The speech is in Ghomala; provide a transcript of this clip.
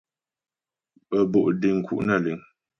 Bə́́ bo' deŋ nku' nə́ liŋ.